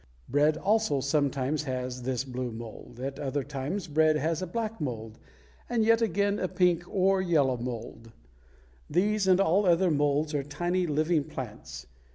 Bread also sometimes has this blue mold; at other times bread has a black mold, and yet again a pink or a yellow mold. These and all other molds are tiny living plants.